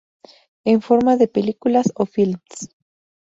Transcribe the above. En forma de películas o films.